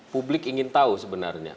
publik ingin tahu sebenarnya